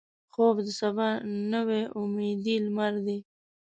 خوب د سبا نوې امیدي لمر دی